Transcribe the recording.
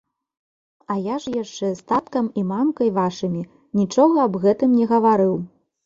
А я ж яшчэ з таткам і мамкай вашымі нічога аб гэтым не гаварыў.